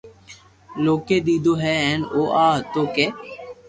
نوکي ديدو ھين او آ ھتو ڪي